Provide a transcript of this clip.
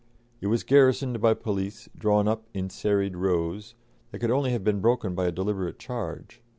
It was garrisoned by police, drawn up in serried rows, that could only have been broken by a deliberate charge.